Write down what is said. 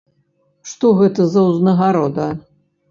Што гэта за ўзнагарода?